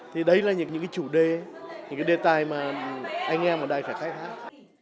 thì đấy là những cái chủ đề những cái đề tài mà anh em ở đây phải khai thác